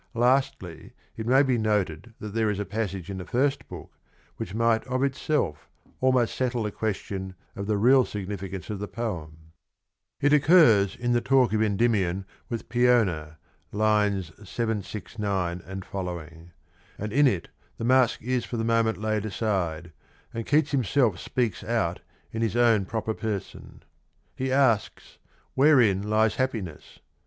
Lastly it may be noted that there is a passage in the first book which might of itself almost settle the question of the real significance of the poem. It occurs in the talk of Endymion with Peona (769 sq.), and in it the mask is for the moment laid aside, and Keats himself speaks out in his own proper person. He asks " Wherein lies ha ppiness